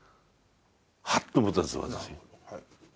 ハッと思ったんです私。